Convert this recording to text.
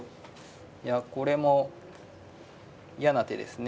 いやこれも嫌な手ですね。